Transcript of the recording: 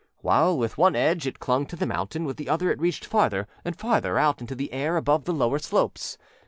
While with one edge it clung to the mountain, with the other it reached farther and farther out into the air above the lower slopes.